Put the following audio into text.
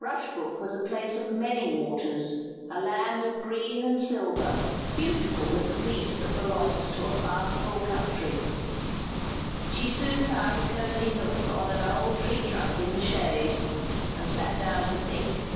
Rushbrook was a place of many waters, a land of green and silver, beautiful with the peace that belongs to a pastoral country. She soon found a cosy nook on an old tree trunk in the shade, and sat down to think.